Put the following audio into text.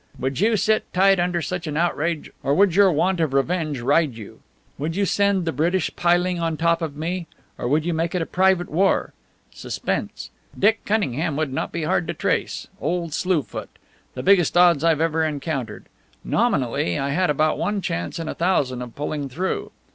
Would you sit tight under such an outrage, or would your want of revenge ride you? Would you send the British piling on top of me, or would you make it a private war? Suspense! Dick Cunningham would not be hard to trace. Old Slue Foot. The biggest odds I'd ever encountered. Nominally, I had about one chance in a thousand of pulling through.